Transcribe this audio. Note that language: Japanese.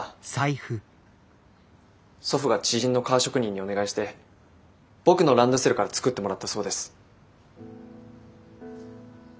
祖父が知人の革職人にお願いして僕のランドセルから作ってもらったそうです。